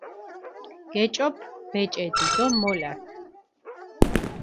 გეჭოფჷ ბეჭედი დო მოლართჷ.